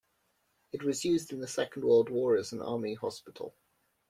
It was used in the Second World War as an army hospital.